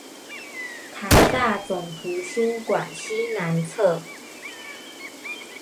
臺大總圖書館西南側